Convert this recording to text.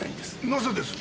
なぜです？